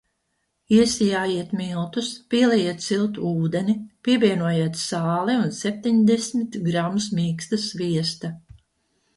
Iesijājiet miltus, pielejiet siltu ūdeni, pievienojiet sāli un septiņdesmit gramus mīksta sviesta.